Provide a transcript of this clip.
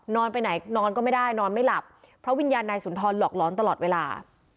ไปไหนนอนก็ไม่ได้นอนไม่หลับเพราะวิญญาณนายสุนทรหลอกร้อนตลอดเวลา